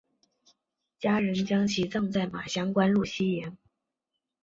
家人将其葬在马乡官路西沿。